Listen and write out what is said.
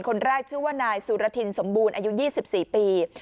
คนแรกชื่อว่านายสุรทินสมบูรณ์อายุ๒๔ปี